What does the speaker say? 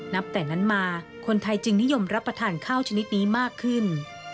นับแต่นั้นมาคนไทยจึงนิยมรับประทานข้าวชนิดนี้มากขึ้น